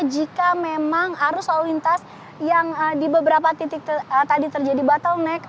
jika memang arus lalu lintas yang di beberapa titik tadi terjadi bottleneck